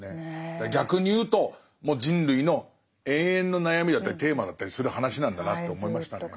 逆に言うともう人類の永遠の悩みだったりテーマだったりする話なんだなと思いましたね。